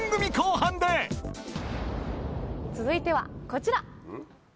続いてはこちら！